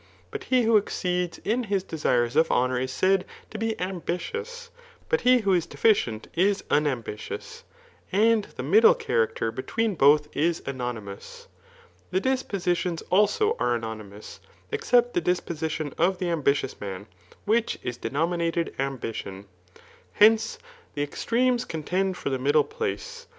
But he who exceeds in his desires of honour is said to be ambitious, he who is deficient is unambitious, and the middle charac er between both is anonymous. The dispositions also are anonymous, except the disposition of the ambitious man, which is denominated ambition, Mence, the ex tremes contend for the middle place.